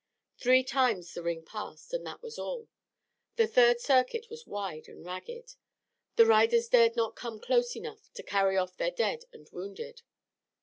Three times the ring passed, and that was all. The third circuit was wide and ragged. The riders dared not come close enough to carry off their dead and wounded.